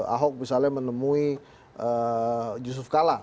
ahok misalnya menemui yusuf kalla